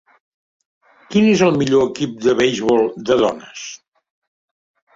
Quin és el millor equip de beisbol de dones?